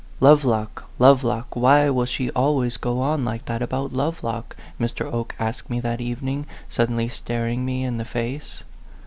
" Lovelock Lovelock ! Why will she al ways go on like that about Lovelock ?" Mr. Oke asked me that evening, suddenly staring me in the face.